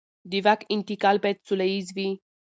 د واک انتقال باید سوله ییز وي